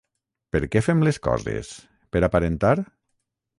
Per què fem les coses, per aparentar?